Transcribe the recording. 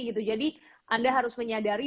gitu jadi anda harus menyadari